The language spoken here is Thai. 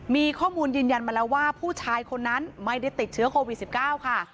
มีข้อมูลยืนยันมาแล้วว่าผู้ชายคนนั้นไม่ได้ติดเชื้อโควิด๑๙ค่ะ